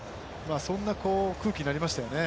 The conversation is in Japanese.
そんな空気になりましたよね。